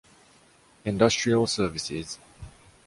Industrial services.